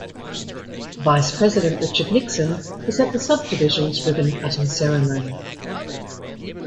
Vice President Richard Nixon was at the subdivision's ribbon-cutting ceremony.